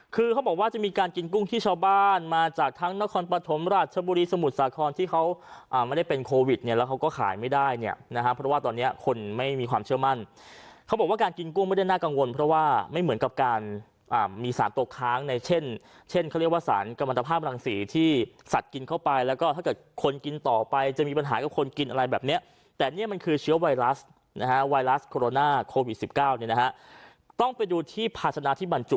คือเขาบอกว่าจะมีการกินกุ้งที่ชาวบ้านมาจากทั้งนครปฐมราชบุรีสมุทรสาครที่เขาไม่ได้เป็นโควิดเนี่ยแล้วเขาก็ขายไม่ได้เนี่ยนะฮะเพราะว่าตอนเนี้ยคนไม่มีความเชื่อมั่นเขาบอกว่าการกินกุ้งไม่ได้น่ากังวลเพราะว่าไม่เหมือนกับการอ่ามีสารตกค้างในเช่นเช่นเขาเรียกว่าสารกรรมตภาพรังสีที่สัตว์